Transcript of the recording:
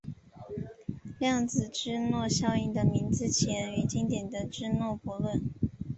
量子芝诺效应的名字起源于经典的芝诺悖论。